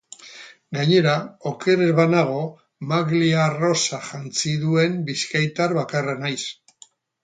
Gainera, oker ez banago, maglia arrosa jantzi duen bizkaitar bakarra naiz.